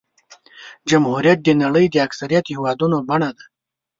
جمهوریت د نړۍ د اکثریت هېوادونو بڼه ده.